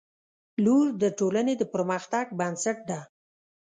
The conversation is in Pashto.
• لور د ټولنې د پرمختګ بنسټ ده.